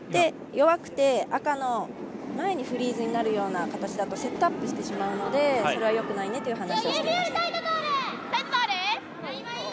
弱くて赤のフリーズになるような形だとセットアップしてしまうのでそれはよくないねという話をしていました。